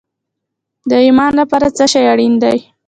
د ایمان لپاره څه شی اړین دی؟